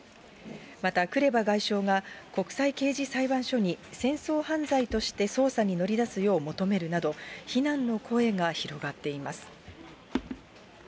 また、クレバ外相が、国際刑事裁判所に戦争犯罪として捜査に乗り出すよう求めるなど、非難の声が広がっています。